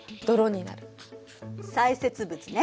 砕屑物ね。